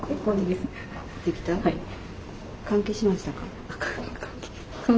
はい。